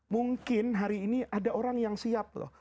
mungkin hari ini ada orang yang siap loh